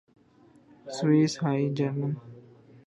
Swiss high German